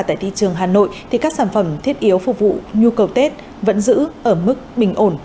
tại thị trường hà nội thì các sản phẩm thiết yếu phục vụ nhu cầu tết vẫn giữ ở mức bình ổn